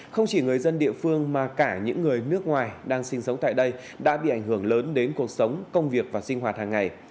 không chỉ người dân địa phương mà cả những người nước ngoài đang sinh sống tại đây đã bị ảnh hưởng lớn đến cuộc sống công việc và sinh hoạt hàng ngày